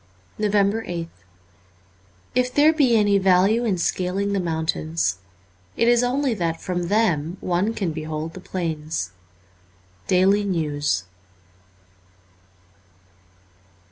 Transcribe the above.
347 NOVEMBER 8th I F there be any value in scaling the mountains, it is only that from them one can behold the plains. ' Daily News."